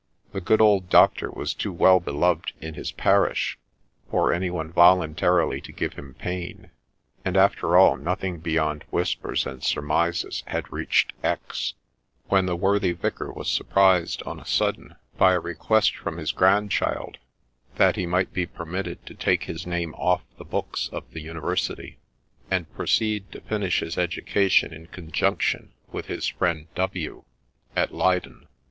The good old Doctor was too well beloved in his parish for any one voluntarily to give him pain ; and, after all, nothing beyond whispers and surmises had reached X , when the worthy Vicar was surprised on a sudden by a request from hia grandchild, that he might be permitted to take his name off the books of the university, and proceed to finish his education in conjunction with his friend W at Leyden.